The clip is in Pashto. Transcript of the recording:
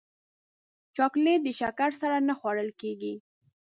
چاکلېټ د شکر سره نه خوړل کېږي.